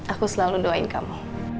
aku selalu doain kamu